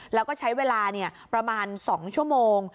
แล้วก็ใช้เวลาประมาณ๒ชั่วโมง